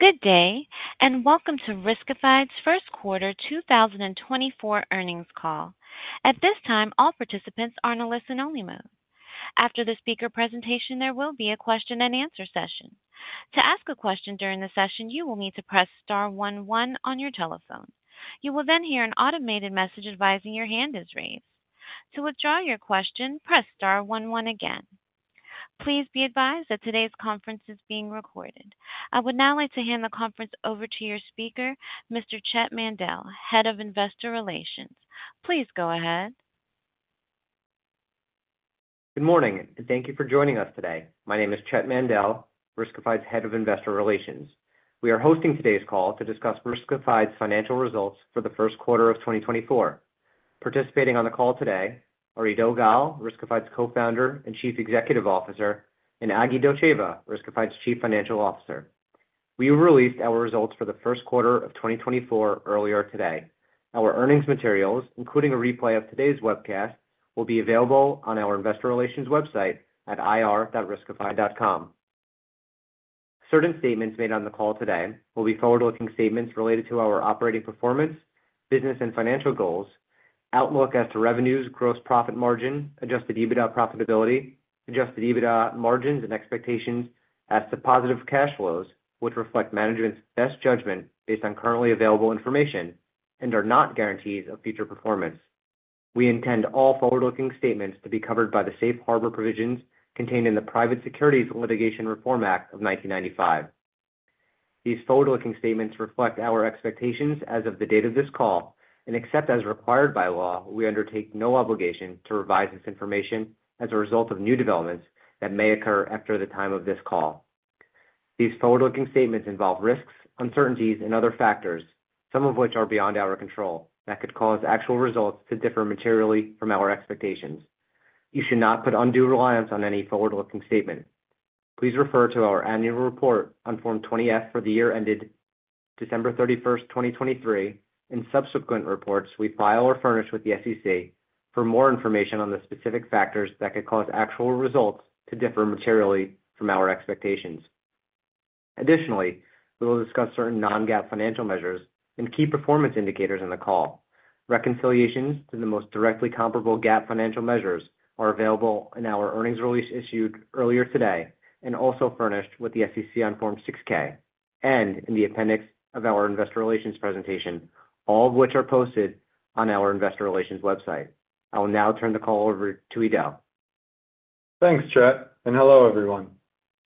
Good day, and welcome to Riskified's First Quarter 2024 Earnings Call. At this time, all participants are in a listen-only mode. After the speaker presentation, there will be a question-and-answer session. To ask a question during the session, you will need to press star one one on your telephone. You will then hear an automated message advising your hand is raised. To withdraw your question, press star one one again. Please be advised that today's conference is being recorded. I would now like to hand the conference over to your speaker, Mr. Chett Mandel, Head of Investor Relations. Please go ahead. Good morning, and thank you for joining us today. My name is Chett Mandel, Riskified's Head of Investor Relations. We are hosting today's call to discuss Riskified's Financial Results for the First Quarter of 2024. Participating on the call today are Eido Gal, Riskified's Co-Founder and Chief Executive Officer, and Agi Dotcheva, Riskified's Chief Financial Officer. We released our results for the first quarter of 2024 earlier today. Our earnings materials, including a replay of today's webcast, will be available on our Investor Relations website at ir.riskified.com. Certain statements made on the call today will be forward-looking statements related to our operating performance, business and financial goals, outlook as to revenues, gross profit margin, Adjusted EBITDA profitability, Adjusted EBITDA margins and expectations as to positive cash flows, which reflect management's best judgment based on currently available information and are not guarantees of future performance. We intend all forward-looking statements to be covered by the Safe Harbor provisions contained in the Private Securities Litigation Reform Act of 1995. These forward-looking statements reflect our expectations as of the date of this call, and except as required by law, we undertake no obligation to revise this information as a result of new developments that may occur after the time of this call. These forward-looking statements involve risks, uncertainties, and other factors, some of which are beyond our control, that could cause actual results to differ materially from our expectations. You should not put undue reliance on any forward-looking statement. Please refer to our annual report on Form 20-F for the year ended December 31, 2023, and subsequent reports we file or furnish with the SEC for more information on the specific factors that could cause actual results to differ materially from our expectations. Additionally, we will discuss certain non-GAAP financial measures and key performance indicators in the call. Reconciliations to the most directly comparable GAAP financial measures are available in our earnings release issued earlier today and also furnished with the SEC on Form 6-K and in the appendix of our Investor Relations presentation, all of which are posted on our Investor Relations website. I will now turn the call over to Eido. Thanks, Chett, and hello everyone.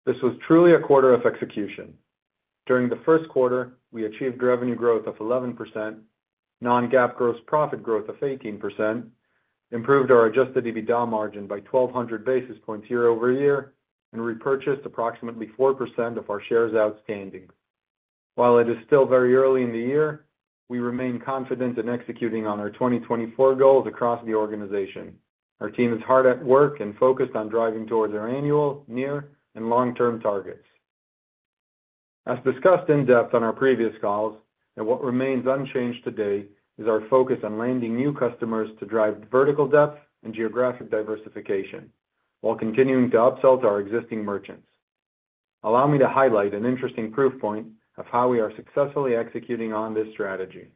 This was truly a quarter of execution. During the first quarter, we achieved revenue growth of 11%, non-GAAP gross profit growth of 18%, improved our Adjusted EBITDA margin by 1,200 basis points year-over-year, and repurchased approximately 4% of our shares outstanding. While it is still very early in the year, we remain confident in executing on our 2024 goals across the organization. Our team is hard at work and focused on driving towards our annual, near, and long-term targets. As discussed in depth on our previous calls, what remains unchanged today is our focus on landing new customers to drive vertical depth and geographic diversification while continuing to upsell to our existing merchants. Allow me to highlight an interesting proof point of how we are successfully executing on this strategy.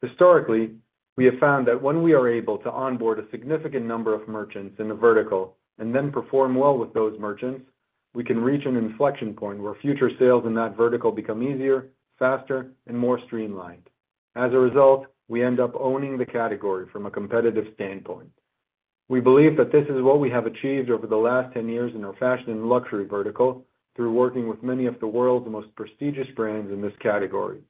Historically, we have found that when we are able to onboard a significant number of merchants in a vertical and then perform well with those merchants, we can reach an inflection point where future sales in that vertical become easier, faster, and more streamlined. As a result, we end up owning the category from a competitive standpoint. We believe that this is what we have achieved over the last 10 years in our fashion and luxury vertical through working with many of the world's most prestigious brands in this category.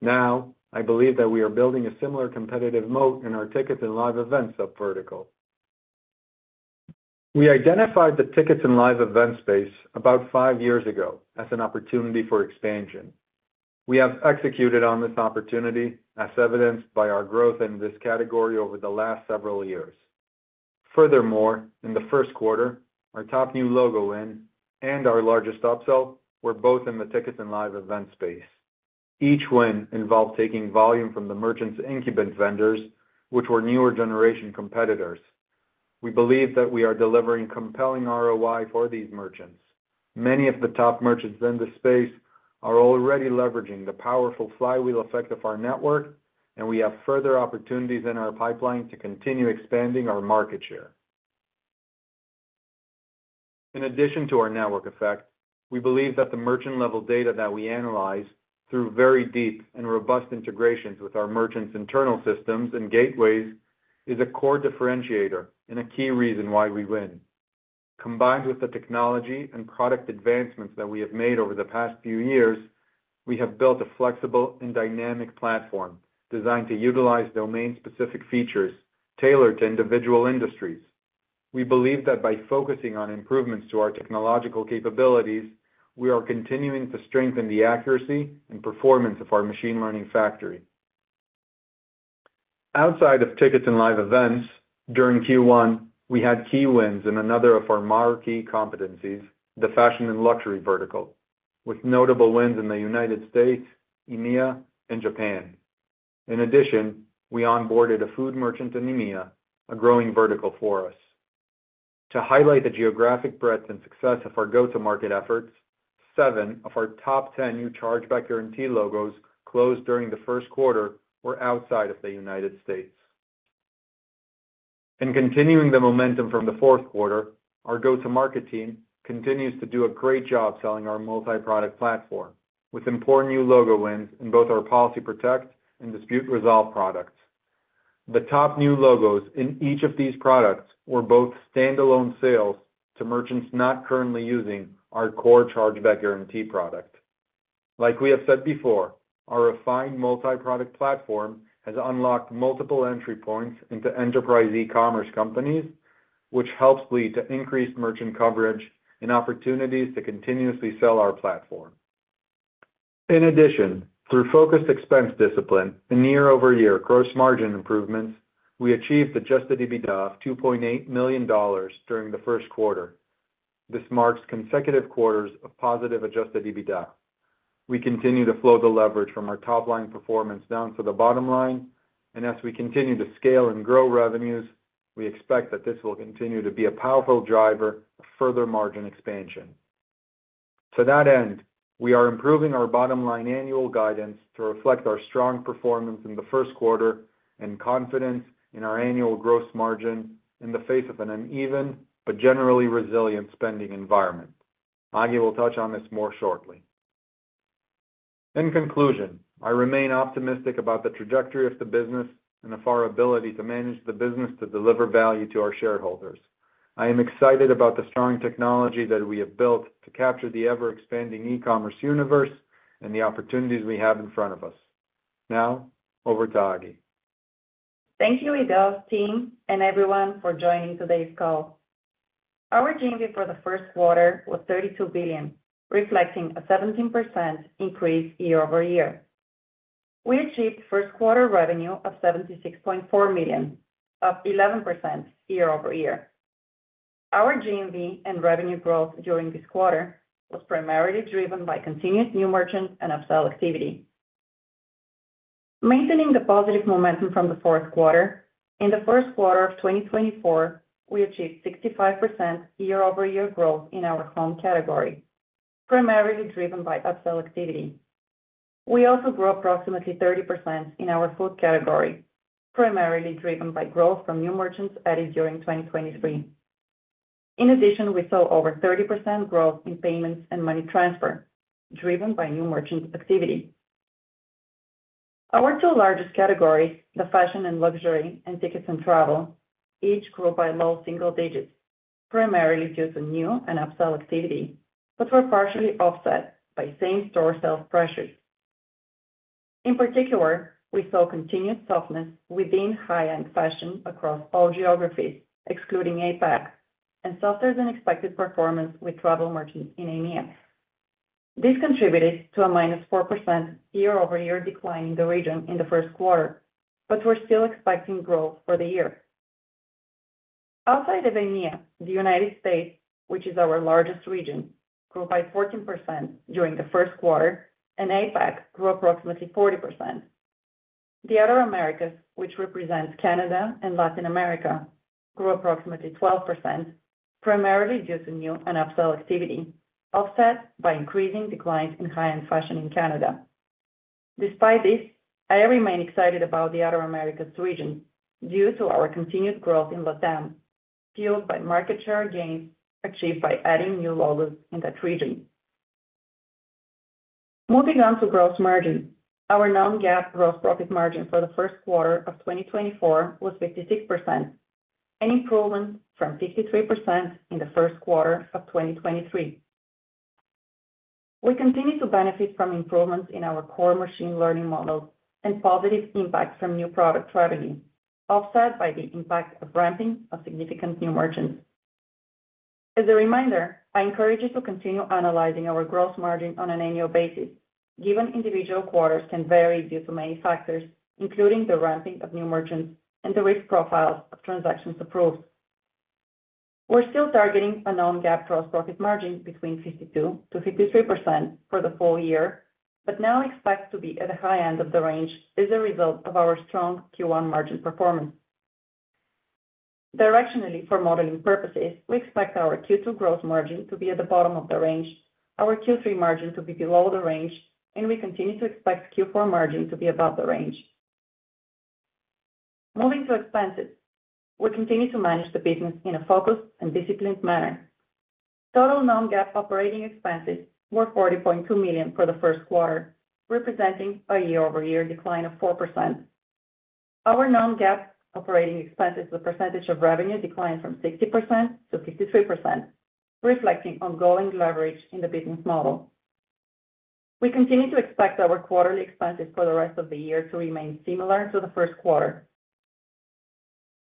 Now, I believe that we are building a similar competitive moat in our tickets and live events subvertical. We identified the tickets and live event space about five years ago as an opportunity for expansion. We have executed on this opportunity, as evidenced by our growth in this category over the last several years. Furthermore, in the first quarter, our top new logo win and our largest upsell were both in the tickets and live event space. Each win involved taking volume from the merchants' incumbent vendors, which were newer generation competitors. We believe that we are delivering compelling ROI for these merchants. Many of the top merchants in the space are already leveraging the powerful flywheel effect of our network, and we have further opportunities in our pipeline to continue expanding our market share. In addition to our network effect, we believe that the merchant-level data that we analyze through very deep and robust integrations with our merchants' internal systems and gateways is a core differentiator and a key reason why we win. Combined with the technology and product advancements that we have made over the past few years, we have built a flexible and dynamic platform designed to utilize domain-specific features tailored to individual industries. We believe that by focusing on improvements to our technological capabilities, we are continuing to strengthen the accuracy and performance of our machine learning factory. Outside of tickets and live events, during Q1, we had key wins in another of our marquee competencies, the fashion and luxury vertical, with notable wins in the U.S., EMEA, and Japan. In addition, we onboarded a food merchant in EMEA, a growing vertical for us. To highlight the geographic breadth and success of our go-to-market efforts, seven of our top 10 new chargeback guarantee logos closed during the first quarter were outside of the U.S. In continuing the momentum from the fourth quarter, our go-to-market team continues to do a great job selling our multi-product platform, with important new logo wins in both our Policy Protect and Dispute Resolve products. The top new logos in each of these products were both standalone sales to merchants not currently using our core Chargeback Guarantee product. Like we have said before, our refined multi-product platform has unlocked multiple entry points into enterprise e-commerce companies, which helps lead to increased merchant coverage and opportunities to continuously sell our platform. In addition, through focused expense discipline and year-over-year gross margin improvements, we achieved Adjusted EBITDA of $2.8 million during the first quarter. This marks consecutive quarters of positive Adjusted EBITDA. We continue to flow the leverage from our top-line performance down to the bottom line, and as we continue to scale and grow revenues, we expect that this will continue to be a powerful driver of further margin expansion. To that end, we are improving our bottom-line annual guidance to reflect our strong performance in the first quarter and confidence in our annual gross margin in the face of an uneven but generally resilient spending environment. Agi will touch on this more shortly. In conclusion, I remain optimistic about the trajectory of the business and our ability to manage the business to deliver value to our shareholders. I am excited about the strong technology that we have built to capture the ever-expanding e-commerce universe and the opportunities we have in front of us. Now, over to Agi. Thank you, Eido, team, and everyone for joining today's call. Our GMV for the first quarter was $32 billion, reflecting a 17% increase year-over-year. We achieved first-quarter revenue of $76.4 million, up 11% year-over-year. Our GMV and revenue growth during this quarter was primarily driven by continuous new merchants and upsell activity. Maintaining the positive momentum from the fourth quarter, in the first quarter of 2024, we achieved 65% year-over-year growth in our home category, primarily driven by upsell activity. We also grew approximately 30% in our food category, primarily driven by growth from new merchants added during 2023. In addition, we saw over 30% growth in payments and money transfer, driven by new merchants' activity. Our two largest categories, the fashion and luxury and tickets and travel, each grew by low single digits, primarily due to new and upsell activity, but were partially offset by same-store sales pressures. In particular, we saw continued softness within high-end fashion across all geographies, excluding APAC, and softer-than-expected performance with travel marketing in EMEA. This contributed to a -4% year-over-year decline in the region in the first quarter, but we're still expecting growth for the year. Outside of EMEA, the U.S., which is our largest region, grew by 14% during the first quarter, and APAC grew approximately 40%. The Other Americas, which represents Canada and Latin America, grew approximately 12%, primarily due to new and upsell activity, offset by increasing declines in high-end fashion in Canada. Despite this, I remain excited about the Other Americas' regions due to our continued growth in Latin America, fueled by market share gains achieved by adding new logos in that region. Moving on to gross margin, our non-GAAP gross profit margin for the first quarter of 2024 was 56%, an improvement from 53% in the first quarter of 2023. We continue to benefit from improvements in our core machine learning models and positive impacts from new product strategies, offset by the impact of ramping of significant new merchants. As a reminder, I encourage you to continue analyzing our gross margin on an annual basis, given individual quarters can vary due to many factors, including the ramping of new merchants and the risk profiles of transactions approved. We're still targeting a non-GAAP gross profit margin between 52%-53% for the full year, but now expects to be at the high end of the range as a result of our strong Q1 margin performance. Directionally, for modeling purposes, we expect our Q2 gross margin to be at the bottom of the range, our Q3 margin to be below the range, and we continue to expect Q4 margin to be above the range. Moving to expenses, we continue to manage the business in a focused and disciplined manner. Total non-GAAP operating expenses were $40.2 million for the first quarter, representing a year-over-year decline of 4%. Our non-GAAP operating expenses are the percentage of revenue declined from 60%-53%, reflecting ongoing leverage in the business model. We continue to expect our quarterly expenses for the rest of the year to remain similar to the first quarter.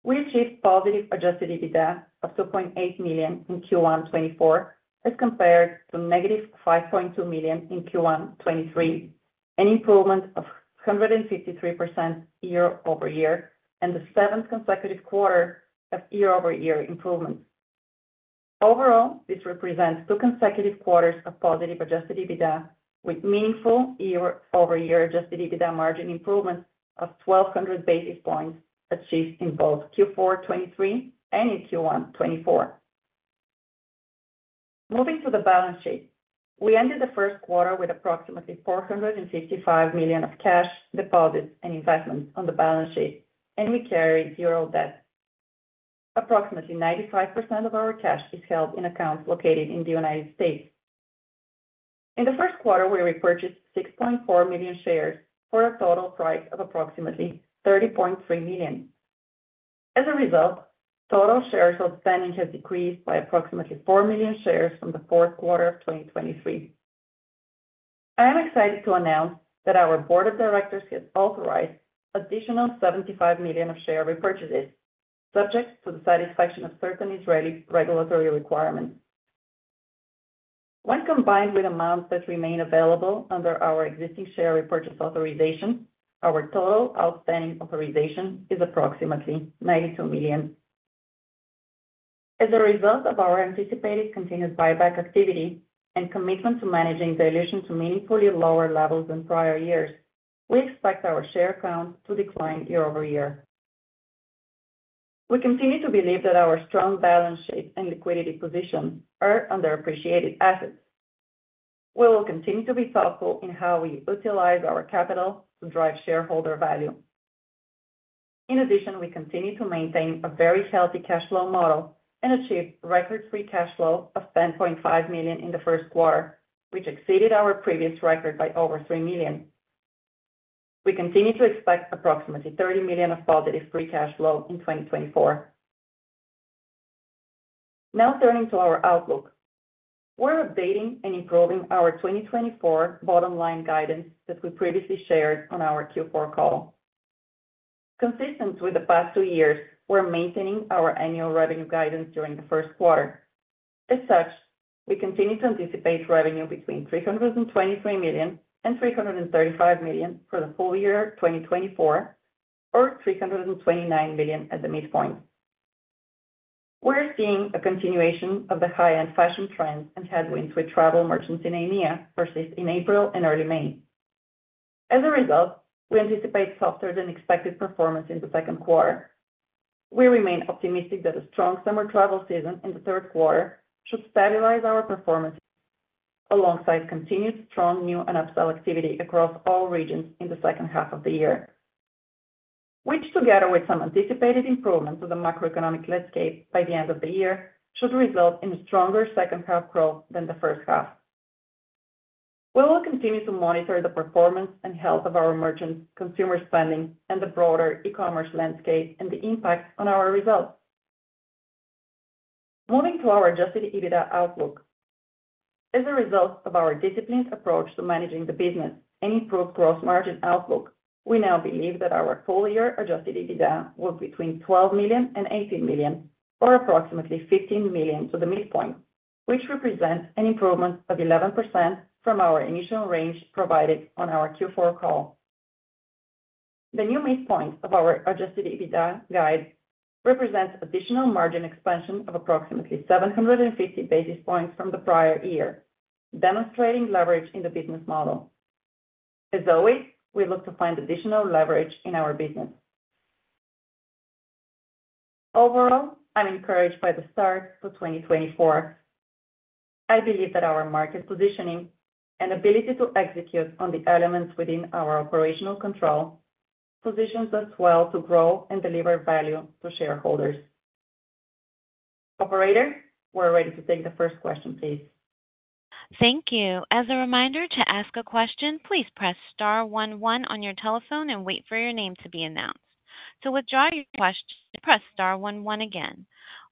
We achieved positive Adjusted EBITDA of $2.8 million in Q1 2024 as compared to -$5.2 million in Q1 2023, an improvement of 153% year-over-year and the seventh consecutive quarter of year-over-year improvement. Overall, this represents two consecutive quarters of positive Adjusted EBITDA, with meaningful year-over-year Adjusted EBITDA margin improvement of 1,200 basis points achieved in both Q4 2023 and in Q1 2024. Moving to the balance sheet, we ended the first quarter with approximately $455 million of cash deposits and investments on the balance sheet, and we carry zero debt. Approximately 95% of our cash is held in accounts located in the U.S. In the first quarter, we repurchased 6.4 million shares for a total price of approximately $30.3 million. As a result, total shares outstanding has decreased by approximately 4 million shares from the fourth quarter of 2023. I am excited to announce that our board of directors has authorized additional $75 million of share repurchases, subject to the satisfaction of certain regulatory requirements. When combined with amounts that remain available under our existing share repurchase authorization, our total outstanding authorization is approximately $92 million. As a result of our anticipated continued buyback activity and commitment to managing dilution to meaningfully lower levels than prior years, we expect our share count to decline year-over-year. We continue to believe that our strong balance sheet and liquidity position are underappreciated assets. We will continue to be thoughtful in how we utilize our capital to drive shareholder value. In addition, we continue to maintain a very healthy cash flow model and achieved record free cash flow of $10.5 million in the first quarter, which exceeded our previous record by over $3 million. We continue to expect approximately $30 million of positive free cash flow in 2024. Now turning to our outlook, we're updating and improving our 2024 bottom-line guidance that we previously shared on our Q4 call. Consistent with the past two years, we're maintaining our annual revenue guidance during the first quarter. As such, we continue to anticipate revenue between $323 million-$335 million for the full year of 2024, or $329 million at the midpoint. We're seeing a continuation of the high-end fashion trend and headwinds with travel merchants in EMEA persist in April and early May. As a result, we anticipate softer-than-expected performance in the second quarter. We remain optimistic that a strong summer travel season in the third quarter should stabilize our performance alongside continued strong new and upsell activity across all regions in the second half of the year, which, together with some anticipated improvement to the macroeconomic landscape by the end of the year, should result in a stronger second-half growth than the first half. We will continue to monitor the performance and health of our merchants, consumer spending, and the broader e-commerce landscape and the impact on our results. Moving to our Adjusted EBITDA outlook. As a result of our disciplined approach to managing the business and improved gross margin outlook, we now believe that our full-year Adjusted EBITDA was between $12 million-$18 million, or approximately $15 million to the midpoint, which represents an improvement of 11% from our initial range provided on our Q4 call. The new midpoint of our Adjusted EBITDA guide represents additional margin expansion of approximately 750 basis points from the prior year, demonstrating leverage in the business model. As always, we look to find additional leverage in our business. Overall, I'm encouraged by the start for 2024. I believe that our market positioning and ability to execute on the elements within our operational control positions us well to grow and deliver value to shareholders. Operator, we're ready to take the first question, please. Thank you. As a reminder, to ask a question, please press star one one on your telephone and wait for your name to be announced. To withdraw your question, press star one one again.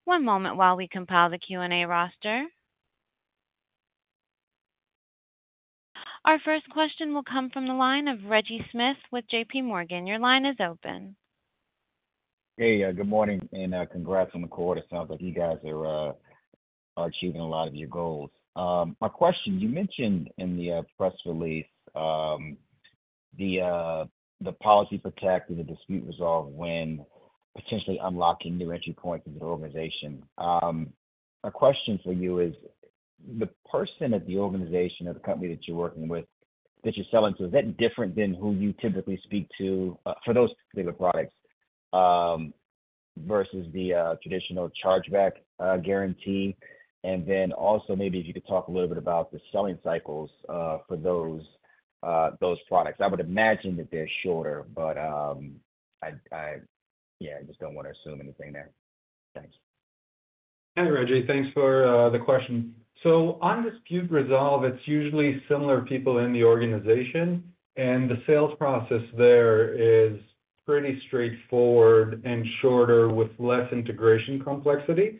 One moment while we compile the Q&A roster. Our first question will come from the line of Reggie Smith with JPMorgan. Your line is open. Hey, good morning and congrats on the call. It sounds like you guys are achieving a lot of your goals. My question, you mentioned in the press release the Policy Protect and the Dispute Resolve when potentially unlocking new entry points into the organization. My question for you is, the person at the organization or the company that you're working with, that you're selling to, is that different than who you typically speak to for those particular products versus the traditional Chargeback Guarantee? And then also maybe if you could talk a little bit about the selling cycles for those products. I would imagine that they're shorter, but I just don't want to assume anything there. Thank you. Hey, Reggie. Thanks for the question. So on Dispute Resolve, it's usually similar people in the organization, and the sales process there is pretty straightforward and shorter with less integration complexity.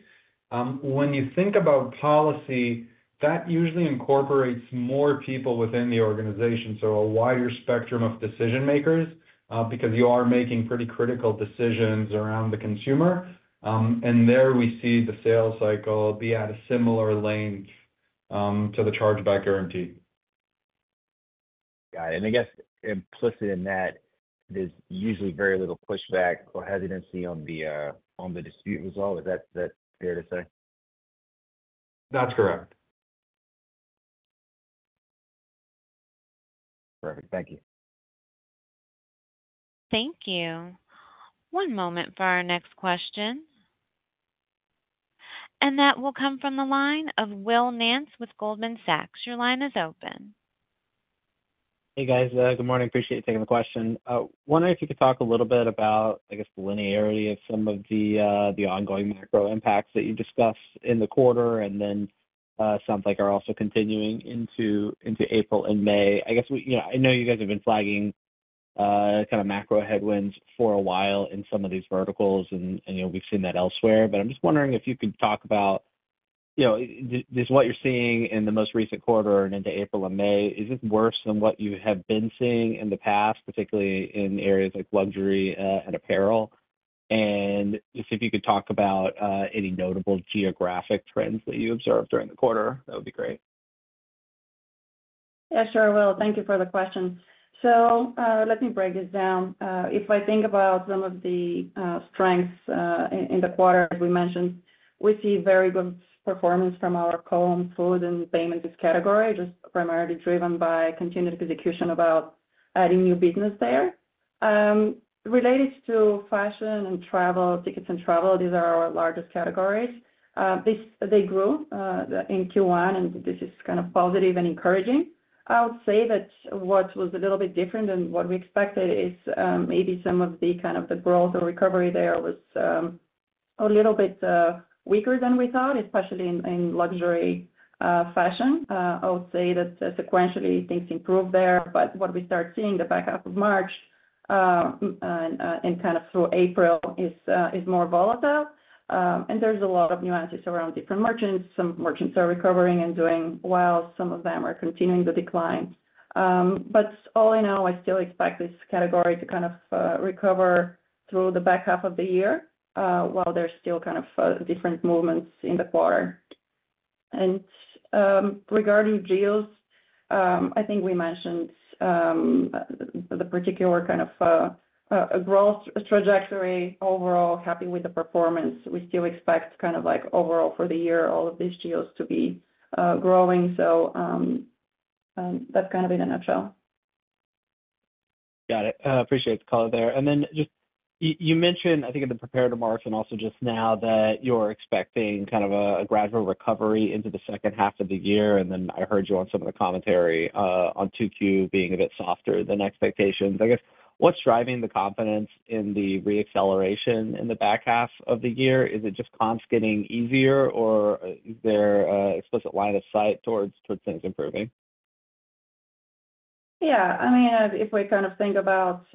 When you think about policy, that usually incorporates more people within the organization, so a wider spectrum of decision-makers because you are making pretty critical decisions around the consumer. And there we see the sales cycle be at a similar length to the Chargeback Guarantee. Got it. And I guess implicit in that, there's usually very little pushback or hesitancy on the Dispute Resolve. Is that fair to say? That's correct. Perfect. Thank you. Thank you. One moment for our next question. That will come from the line of Will Nance with Goldman Sachs. Your line is open. Hey guys, good morning. Appreciate you taking the question. Wondering if you could talk a little bit about, I guess, the linearity of some of the ongoing macro impacts that you discussed in the quarter, and then sounds like are also continuing into April and May. I guess I know you guys have been flagging kind of macro headwinds for a while in some of these verticals, and we've seen that elsewhere. But I'm just wondering if you could talk about, does what you're seeing in the most recent quarter and into April and May, is this worse than what you have been seeing in the past, particularly in areas like luxury and apparel? And if you could talk about any notable geographic trends that you observed during the quarter, that would be great. Yeah, sure, Will. Thank you for the question. So let me break this down. If I think about some of the strengths in the quarter that we mentioned, we see very good performance from our home food and payment category, just primarily driven by continued execution about adding new business there. Related to fashion and travel, tickets and travel, these are our largest categories. They grew in Q1, and this is kind of positive and encouraging. I would say that what was a little bit different than what we expected is maybe some of the kind of the growth or recovery there was a little bit weaker than we thought, especially in luxury fashion. I would say that sequentially, things improved there, but what we start seeing the back half of March and kind of through April is more volatile. And there's a lot of nuances around different merchants. Some merchants are recovering and doing well, some of them are continuing the decline. But all in all, I still expect this category to kind of recover through the back half of the year while there's still kind of different movements in the quarter. And regarding deals, I think we mentioned the particular kind of growth trajectory overall, happy with the performance. We still expect kind of overall for the year, all of these deals to be growing. So that's kind of in a nutshell. Got it. Appreciate the call there. You mentioned, I think, in the prepared remarks and also just now that you're expecting kind of a gradual recovery into the second half of the year. I heard you on some of the commentary on 2Q being a bit softer than expectations. I guess what's driving the confidence in the re-acceleration in the back half of the year? Is it just comps getting easier, or is there an explicit line of sight towards things improving? Yeah. I mean, if we kind of think about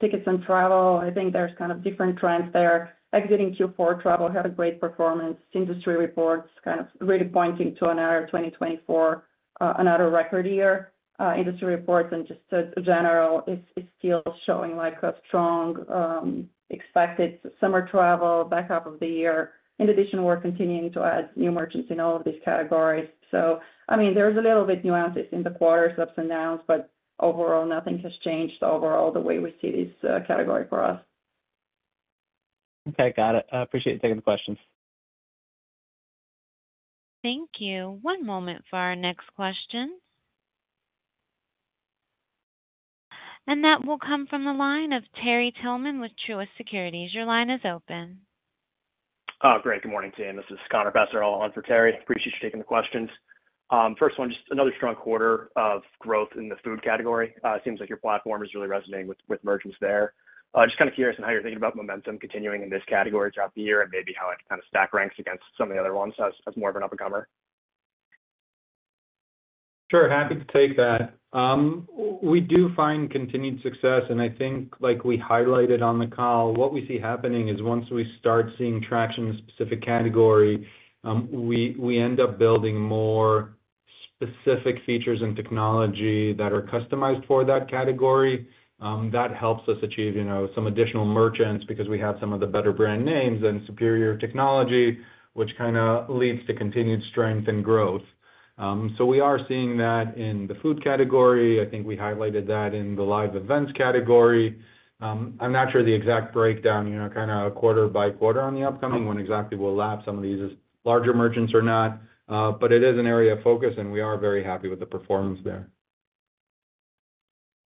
tickets and travel, I think there's kind of different trends there. Exiting Q4, travel had a great performance. Industry reports kind of really pointing to another 2024, another record year. Industry reports and just in general is still showing a strong expected summer travel back half of the year. In addition, we're continuing to add new merchants in all of these categories. So I mean, there's a little bit nuance in the quarters ups and downs, but overall, nothing has changed overall the way we see this category for us. Okay, got it. Appreciate you taking the questions. Thank you. One moment for our next question. That will come from the line of Terry Tillman with Truist Securities. Your line is open. Great. Good morning, Tim. This is Connor Passarella on for Terry. Appreciate you taking the questions. First one, just another strong quarter of growth in the food category. It seems like your platform is really resonating with merchants there. Just kind of curious on how you're thinking about momentum continuing in this category throughout the year and maybe how it kind of stack ranks against some of the other ones as more of an up-and-comer. Sure, happy to take that. We do find continued success, and I think like we highlighted on the call, what we see happening is once we start seeing traction in a specific category, we end up building more specific features and technology that are customized for that category. That helps us achieve some additional merchants because we have some of the better brand names and superior technology, which kind of leads to continued strength and growth. So we are seeing that in the food category. I think we highlighted that in the live events category. I'm not sure the exact breakdown, kind of quarter-by-quarter on the upcoming, when exactly we'll lapse some of these larger merchants or not. But it is an area of focus, and we are very happy with the performance there.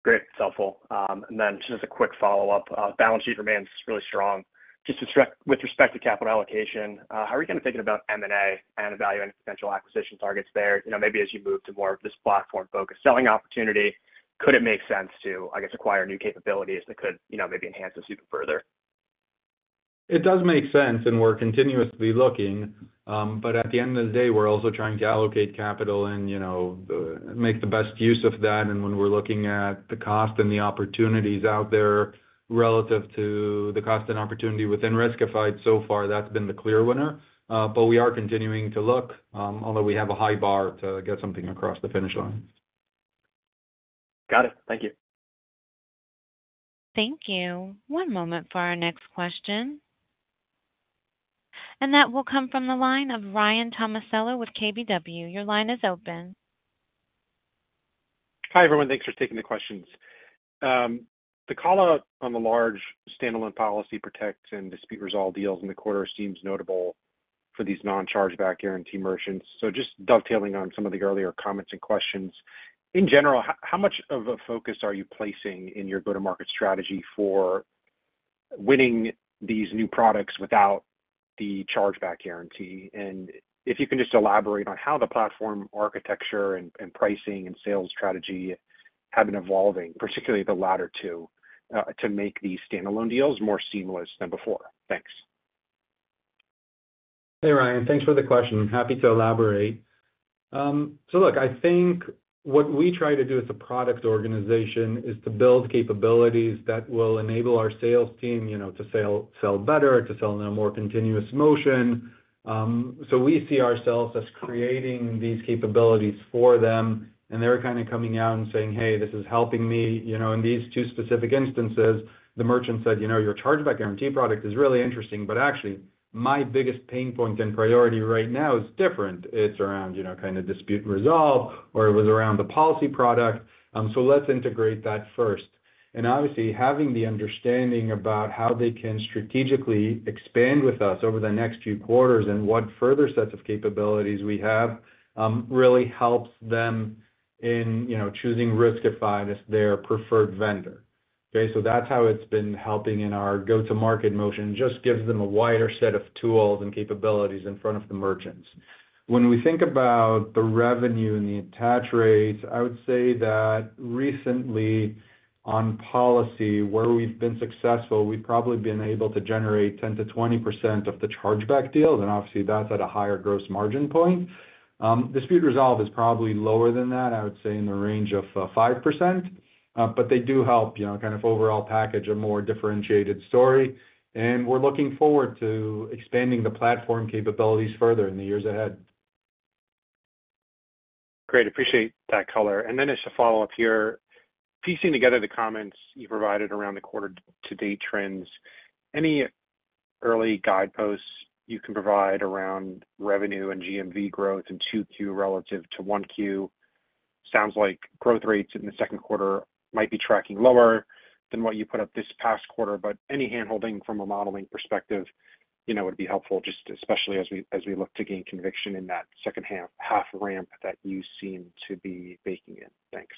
Great. That's helpful. And then just as a quick follow-up, balance sheet remains really strong. Just with respect to capital allocation, how are you kind of thinking about M&A and evaluating potential acquisition targets there? Maybe as you move to more of this platform-focused selling opportunity, could it make sense to, I guess, acquire new capabilities that could maybe enhance this even further? It does make sense, and we're continuously looking. But at the end of the day, we're also trying to allocate capital and make the best use of that. And when we're looking at the cost and the opportunities out there relative to the cost and opportunity within Riskified so far, that's been the clear winner. But we are continuing to look, although we have a high bar to get something across the finish line. Got it. Thank you. Thank you. One moment for our next question. That will come from the line of Ryan Tomasello with KBW. Your line is open. Hi everyone. Thanks for taking the questions. The callout on the large standalone Policy Protect and Dispute Resolve deals in the quarter seems notable for these non-Chargeback Guarantee merchants. So just dovetailing on some of the earlier comments and questions. In general, how much of a focus are you placing in your go-to-market strategy for winning these new products without the Chargeback Guarantee? And if you can just elaborate on how the platform architecture and pricing and sales strategy have been evolving, particularly the latter two, to make these standalone deals more seamless than before? Thanks. Hey Ryan, thanks for the question. Happy to elaborate. So look, I think what we try to do as a product organization is to build capabilities that will enable our sales team to sell better, to sell in a more continuous motion. So we see ourselves as creating these capabilities for them, and they're kind of coming out and saying, "Hey, this is helping me." In these two specific instances, the merchant said, "Your Chargeback Guarantee product is really interesting, but actually, my biggest pain point and priority right now is different. It's around kind of Dispute Resolve, or it was around the Policy Protect. So let's integrate that first." And obviously, having the understanding about how they can strategically expand with us over the next few quarters and what further sets of capabilities we have really helps them in choosing Riskified as their preferred vendor. Okay? So that's how it's been helping in our go-to-market motion. It just gives them a wider set of tools and capabilities in front of the merchants. When we think about the revenue and the attach rates, I would say that recently on policy, where we've been successful, we've probably been able to generate 10%-20% of the chargeback deals, and obviously, that's at a higher gross margin point. Dispute Resolve is probably lower than that, I would say, in the range of 5%. But they do help kind of overall package a more differentiated story. We're looking forward to expanding the platform capabilities further in the years ahead. Great. Appreciate that callout. And then just to follow up here, piecing together the comments you provided around the quarter-to-date trends, any early guideposts you can provide around revenue and GMV growth in 2Q relative to 1Q? Sounds like growth rates in the second quarter might be tracking lower than what you put up this past quarter, but any handholding from a modeling perspective would be helpful, especially as we look to gain conviction in that second half ramp that you seem to be baking in. Thanks.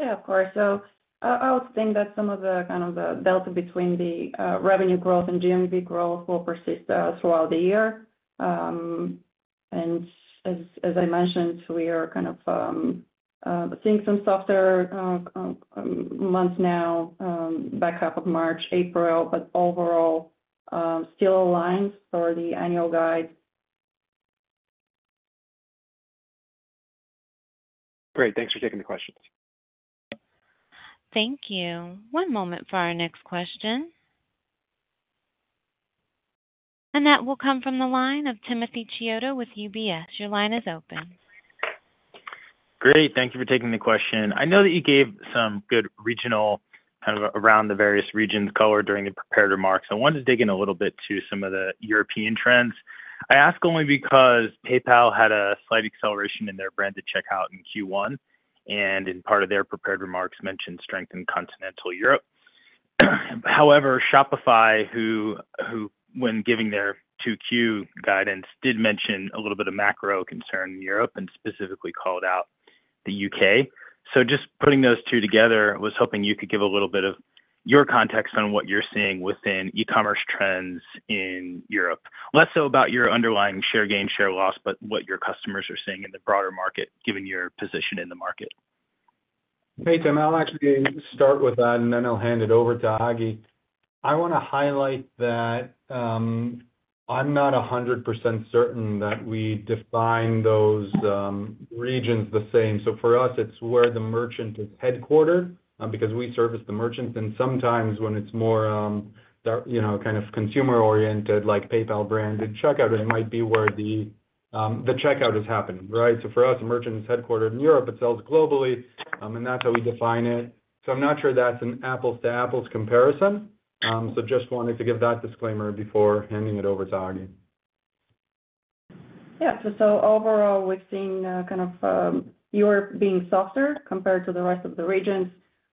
Yeah, of course. So I would think that some of the kind of the delta between the revenue growth and GMV growth will persist throughout the year. And as I mentioned, we are kind of seeing some softer months now, back half of March, April, but overall still aligned for the annual guide. Great. Thanks for taking the questions. Thank you. One moment for our next question. That will come from the line of Timothy Chiodo with UBS. Your line is open. Great. Thank you for taking the question. I know that you gave some good regional kind of around the various regions color during the prepared remarks. I wanted to dig in a little bit to some of the European trends. I ask only because PayPal had a slight acceleration in their branded checkout in Q1, and in part of their prepared remarks mentioned strength in continental Europe. However, Shopify, when giving their 2Q guidance, did mention a little bit of macro concern in Europe and specifically called out the U.K. So just putting those two together, I was hoping you could give a little bit of your context on what you're seeing within e-commerce trends in Europe. Less so about your underlying share gain, share loss, but what your customers are seeing in the broader market, given your position in the market. Great, Tim. I'll actually start with that, and then I'll hand it over to Agi. I want to highlight that I'm not 100% certain that we define those regions the same. So for us, it's where the merchant is headquartered because we service the merchants. And sometimes when it's more kind of consumer-oriented, like PayPal branded checkout, it might be where the checkout has happened, right? So for us, a merchant is headquartered in Europe. It sells globally, and that's how we define it. So I'm not sure that's an apples-to-apples comparison. So just wanted to give that disclaimer before handing it over to Agi. Yeah. So overall, we've seen kind of Europe being softer compared to the rest of the regions.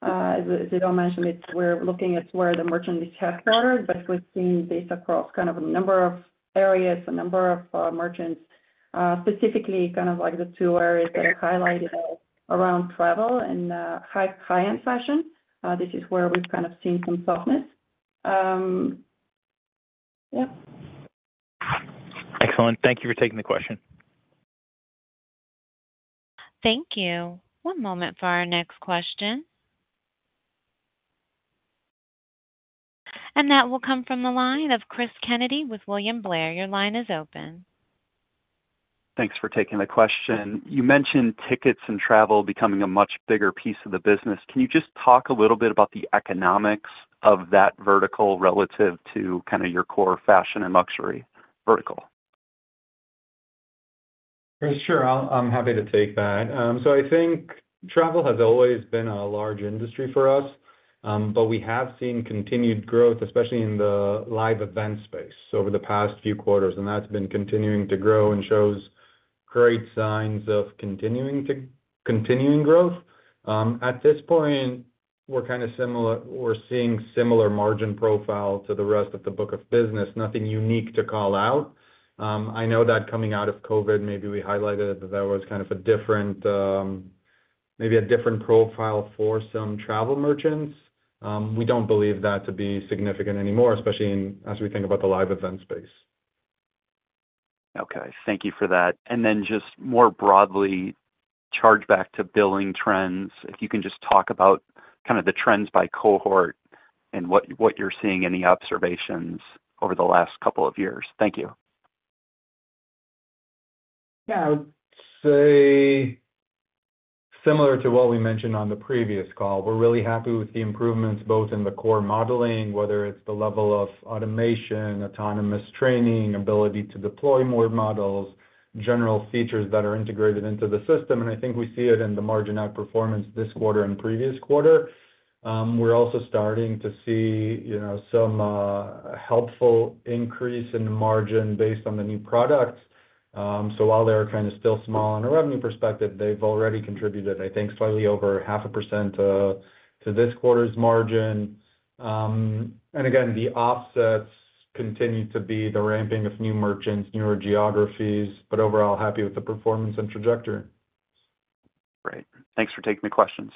As we all mentioned, we're looking at where the merchant is headquartered, but if we've seen this across kind of a number of areas, a number of merchants, specifically kind of like the two areas that I highlighted around travel and high-end fashion, this is where we've kind of seen some softness. Yeah. Excellent. Thank you for taking the question. Thank you. One moment for our next question. That will come from the line of Chris Kennedy with William Blair. Your line is open. Thanks for taking the question. You mentioned tickets and travel becoming a much bigger piece of the business. Can you just talk a little bit about the economics of that vertical relative to kind of your core fashion and luxury vertical? Sure. I'm happy to take that. So I think travel has always been a large industry for us, but we have seen continued growth, especially in the live event space over the past few quarters. And that's been continuing to grow and shows great signs of continuing growth. At this point, we're kind of similar. We're seeing similar margin profile to the rest of the book of business. Nothing unique to call out. I know that coming out of COVID, maybe we highlighted that there was kind of a different maybe a different profile for some travel merchants. We don't believe that to be significant anymore, especially as we think about the live event space. Okay. Thank you for that. And then just more broadly, chargeback to billings trends, if you can just talk about kind of the trends by cohort and what you're seeing, any observations over the last couple of years? Thank you. Yeah. I would say similar to what we mentioned on the previous call, we're really happy with the improvements both in the core modeling, whether it's the level of automation, autonomous training, ability to deploy more models, general features that are integrated into the system. And I think we see it in the margin outperformance this quarter and previous quarter. We're also starting to see some helpful increase in the margin based on the new products. So while they're kind of still small on a revenue perspective, they've already contributed, I think, slightly over 0.5% to this quarter's margin. And again, the offsets continue to be the ramping of new merchants, newer geographies, but overall, happy with the performance and trajectory. Great. Thanks for taking the questions.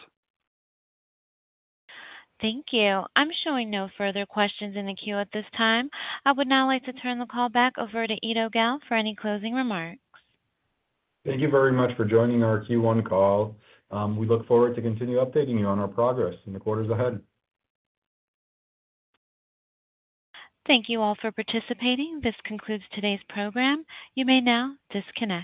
Thank you. I'm showing no further questions in the queue at this time. I would now like to turn the call back over to Eido Gal for any closing remarks. Thank you very much for joining our Q1 call. We look forward to continuing to update you on our progress in the quarters ahead. Thank you all for participating. This concludes today's program. You may now disconnect.